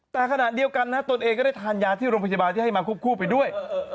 แต่ขณะเดียวกันตนเองก็ได้ทานยาที่โรงพยาบาลที่ให้มาควบคู่ไปด้วย